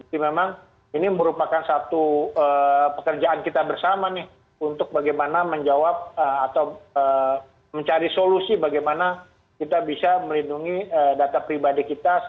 jadi memang ini merupakan satu pekerjaan kita bersama nih untuk bagaimana menjawab atau mencari solusi bagaimana kita bisa melindungi data pribadi kita